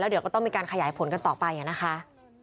เดี๋ยวก็ต้องมีการขยายผลกันต่อไปนะคะ